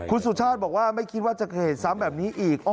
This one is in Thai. คุณสุชาติบอกว่าไม่คิดว่าจะเกิดเหตุซ้ำแบบนี้อีก